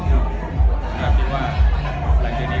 ก็ภรรยาใจครับและก็บุญใจในที่